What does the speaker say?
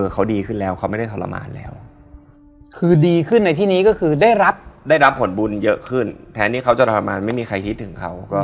ก็มาแล้วเขาจะมีวิ่ง